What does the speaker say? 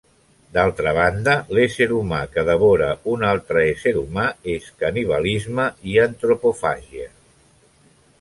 D'altra banda, l'ésser humà que devora un altre ésser humà, és canibalisme i antropofàgia.